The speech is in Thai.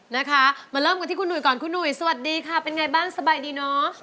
นะคะมาเริ่มกันที่คุณหุยก่อนคุณหนุ่ยสวัสดีค่ะเป็นไงบ้างสบายดีเนาะ